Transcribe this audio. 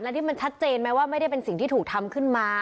นี่มันชัดเจนไหมว่าไม่ได้เป็นสิ่งที่ถูกทำขึ้นมา